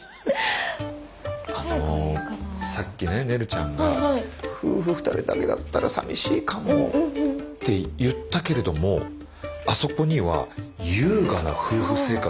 さっきねねるちゃんが夫婦２人だけだったら寂しいかもって言ったけれどもあそこには「優雅な夫婦生活」って書いてるじゃない？